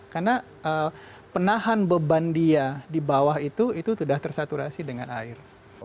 karena penahan beban dia di bawah itu itu sudah tersaturasi dengan air